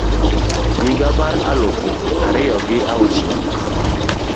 higa mar aluf ariyo gi auchiel